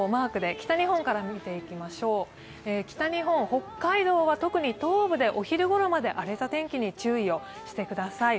北日本、北海道は特に東部でお昼頃まで荒れた天気に注意をしてください。